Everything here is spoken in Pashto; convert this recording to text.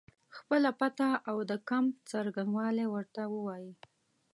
خپله پته او د کمپ څرنګوالی ورته ووایي.